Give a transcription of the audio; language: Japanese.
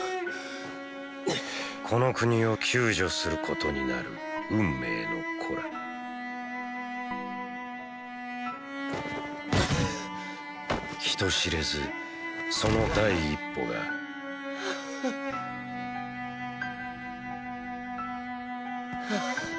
この国を“救助”することになる運命の子ら人知れずその第一歩がハァ。